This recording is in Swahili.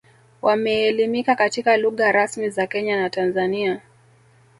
Wameelimika katika lugha rasmi za Kenya na Tanzania